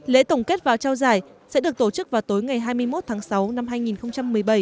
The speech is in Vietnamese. lễ tổng kết và trao giải sẽ được tổ chức vào tối ngày hai mươi một tháng sáu năm hai nghìn một mươi bảy